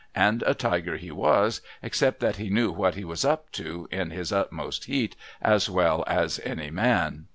And a tiger he was, except that he knew what he was up to, in his utmost heat, as well as any man.